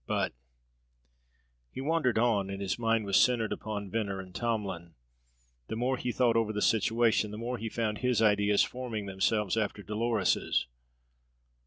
But " He wandered on, and his mind was centered upon Venner and Tomlin. The more he thought over the situation, the more he found his ideas forming themselves after Dolores's.